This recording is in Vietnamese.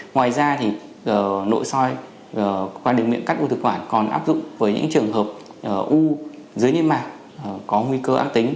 ngoài ra thì nội soi qua đường miệng cắt u thực quản còn áp dụng với những trường hợp u dưới niêm mạc có nguy cơ ác tính